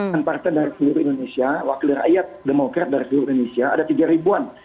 dan partai dari seluruh indonesia wakil rakyat demokrat dari seluruh indonesia ada tiga ribuan